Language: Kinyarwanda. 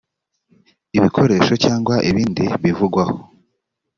ibikoresho cyangwa ibindi bivugwaho